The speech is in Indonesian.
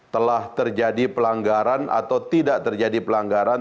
telah terjadi pelanggaran atau tidak terjadi pelanggaran